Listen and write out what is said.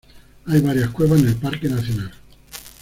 Hay varias cuevas en el parque nacional.